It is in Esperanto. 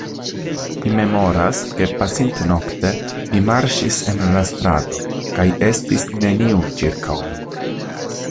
Mi memoras, ke pasintnokte mi marŝis en la strato kaj estis neniu ĉirkaŭ mi.